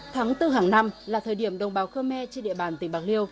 tháng bốn hàng năm là thời điểm đồng bào khơ me trên địa bàn tỉnh bạc liêu